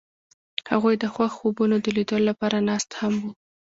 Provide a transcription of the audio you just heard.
هغوی د خوښ خوبونو د لیدلو لپاره ناست هم وو.